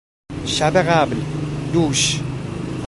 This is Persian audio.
شب قبل، دوش